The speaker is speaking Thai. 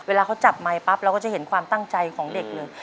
เวลาเขาจับไมค์ปั๊บเราก็จะเห็นความตั้งใจของเด็กเลย